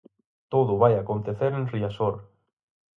Todo vai acontecer en Riazor.